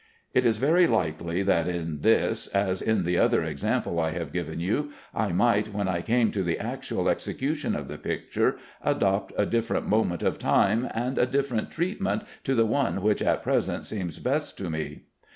It is very likely that in this, as in the other example I have given you, I might, when I came to the actual execution of the picture, adopt a different moment of time and a different treatment to the one which at present seems best to me.